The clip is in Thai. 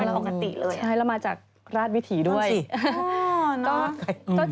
นานมากเลยครับใช่แล้วมาจากราศวิถีด้วยนั่นสิโอ้โฮน่ะ